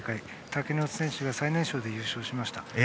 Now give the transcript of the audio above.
竹ノ内選手が最年少で優勝しました。